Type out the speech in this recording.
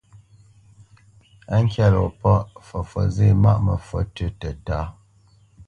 Á ŋkyá lɔ pâʼ, fəfǒt zê maʼ məfǒt tʉ́ tətá.